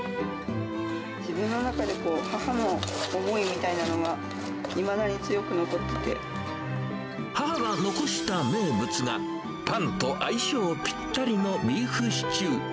自分の中で母への思いみたい母が残した名物が、パンと相性ぴったりのビーフシチュー。